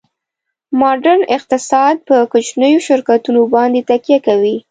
ماډرن اقتصاد په کوچنیو شرکتونو باندې تکیه کوي